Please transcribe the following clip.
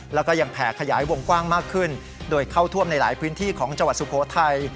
แล้วก็ยังแผ่ขยายวงกว้างมากขึ้นโดยเข้าท่วมในหลายพื้นที่ของจังหวัดสุโขทัย